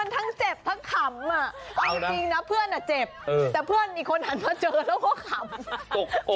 มันทั้งเจ็บเพราะขำจริงนะเพื่อนมันเจ็บแต่เพื่อนอีกคนหันมาเจอก็พูดว่าขำ